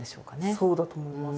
そうだと思います。